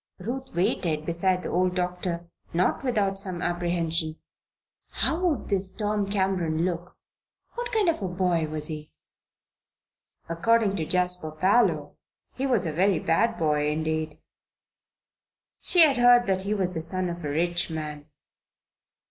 Ruth waited beside the old doctor, not without some apprehension. How would this Tom Cameron look? What kind of a boy was he? According to Jasper Parloe he was a very bad boy, indeed. She had heard that he was the son of a rich man.